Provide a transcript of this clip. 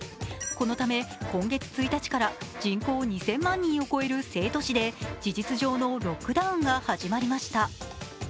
このため、今月１日から人口２０００万人を超える成都市で事実上のロックダウンが始まりました。